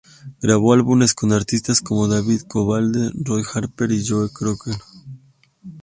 Grabó álbumes con artistas como David Coverdale, Roy Harper o Joe Cocker.